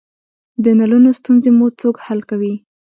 د نلونو ستونزې مو څوک حل کوی؟